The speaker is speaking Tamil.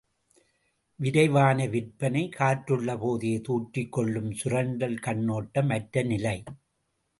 விரைவான விற்பனை, காற்றுள்ள போதே தூற்றிக் கொள்ளும் சுரண்டல் கண்ணோட்டம் அற்ற நிலை.